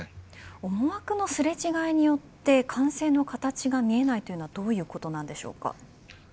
思惑のすれ違いによって完成の形が見えないというのはどういうことなのでしょうか。